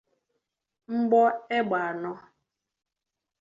mgbọ égbè anọ